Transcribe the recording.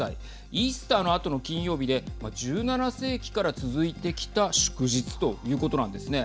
イースターのあとの金曜日で１７世紀から続いてきた祝日ということなんですね。